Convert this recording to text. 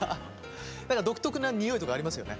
何か独特なにおいとかありますよね。